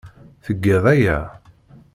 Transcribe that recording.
Tgiḍ aya.